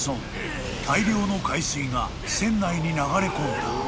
［大量の海水が船内に流れ込んだ］